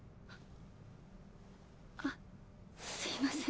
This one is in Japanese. あすいません。